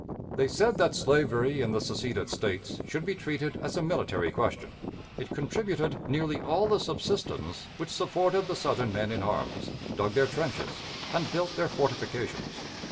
They said that slavery in the seceded States should be treated as a military question; it contributed nearly all the subsistence which supported the Southern men in arms, dug their trenches, and built their fortifications.